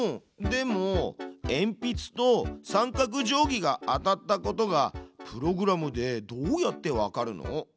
でもえんぴつと三角定規が当たったことがプログラムでどうやってわかるの？